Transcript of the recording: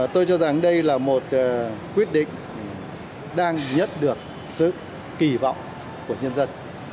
tôi cho rằng đây là một quyết định đang nhận được sự kỳ vọng của nhân dân